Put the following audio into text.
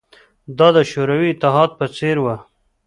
دا د شوروي اتحاد په څېر وه